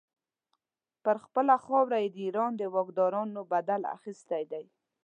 پر خپله خاوره یې د ایران د واکدارانو بدل اخیستی دی.